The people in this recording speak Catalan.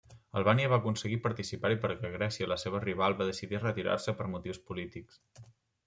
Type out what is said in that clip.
Albània va aconseguir participar-hi perquè Grècia, la seva rival, va decidir retirar-se per motius polítics.